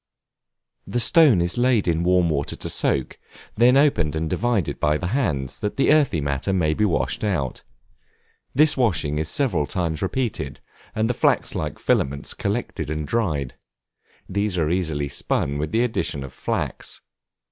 The stone is laid in warm water to soak, then opened and divided by the hands, that the earthy matter may be washed out. This washing is several times repeated, and the flax like filaments collected and dried; these are easily spun with the addition of flax.